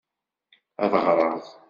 Ad ɣreɣ.